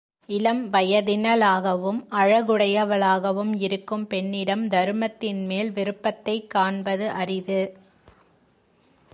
இளம் வயதினளாகவும் அழகுடையவளாகவும் இருக்கும் பெண்ணிடம் தருமத்தின்மேல் விருப்பத்தைக் காண்பது அரிது.